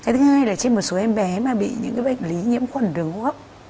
thứ hai là trên một số em bé mà bị những bệnh lý nhiễm khuẩn đường ruột